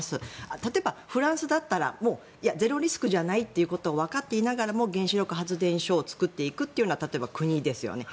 例えばフランスだったらゼロリスクじゃないことをわかっていながら原子力発電所を作っていくという国ですよね。